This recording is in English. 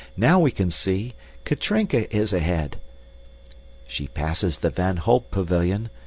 Now we can see. Katrinka is ahead! She passes the Van Holp pavilion.